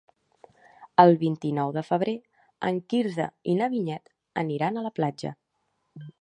El vint-i-nou de febrer en Quirze i na Vinyet aniran a la platja.